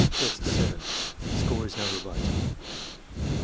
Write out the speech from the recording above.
Test 7 (Score is number right.